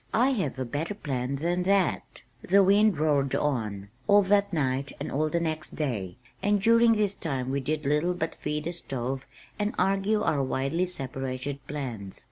I have a better plan than that." The wind roared on, all that night and all the next day, and during this time we did little but feed the stove and argue our widely separated plans.